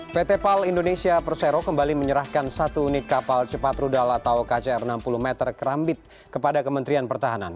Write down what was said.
pt pal indonesia persero kembali menyerahkan satu unit kapal cepat rudal atau kcr enam puluh meter kerambit kepada kementerian pertahanan